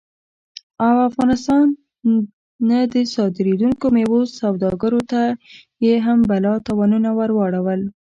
او افغانستان نه د صادرېدونکو میوو سوداګرو ته یې هم بلا تاوانونه ور واړول